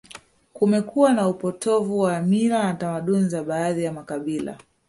Kumekuwa na upotovu wa mila na tamaduni za baadhi ya makabila